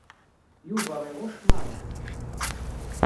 Yuba iɣucc Mary.